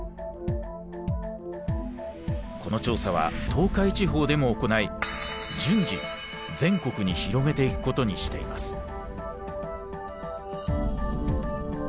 この調査は東海地方でも行い順次全国に広げていくことにしています。